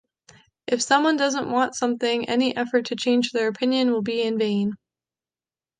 If someone doesn’t want something, any effort to change their opinion will be in vain.